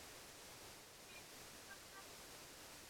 halijoto inaweza kucheza zaidi ya katika siku moja